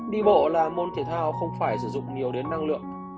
đi bộ là môn thể thao không phải sử dụng nhiều đến năng lượng